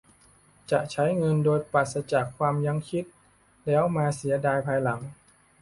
จะใช้เงินโดยปราศจากความยั้งคิดแล้วมาเสียดายภายหลัง